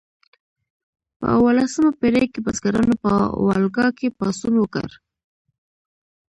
په اوولسمه پیړۍ کې بزګرانو په والګا کې پاڅون وکړ.